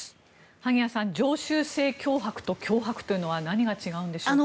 萩谷さん、常習性脅迫と脅迫というのは何が違うんでしょうか？